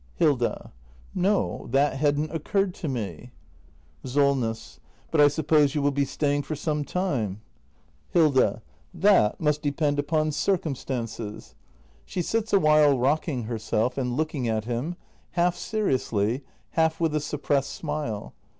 Hilda. No, that hadn't occurred to me. SOLNESS. But I suppose you will be staying for some time ? 296 THE MASTER BUILDER [act i Hilda. * That must depend upon circumstances. [She sits awhile rocking herself and looking at him, half seriously, half with a suppressed smile.